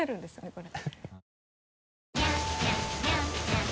これ。